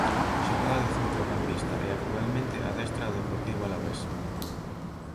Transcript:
Xogaba de centrocampista e actualmente adestra o Deportivo Alavés.